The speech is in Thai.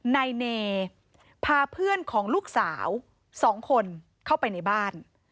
นายเนพาเพื่อนของลูกสาว๒คนเข้าไปในบ้าน